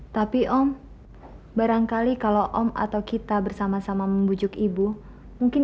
tapi om barangkali kalau om atau kita bersama sama membujuk ibu mungkin